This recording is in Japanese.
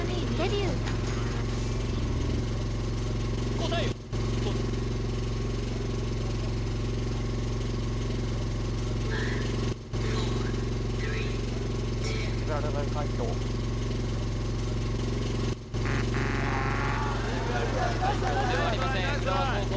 答えをどうぞいいよいいよナイスジブラルタル海峡ではありません浦和高校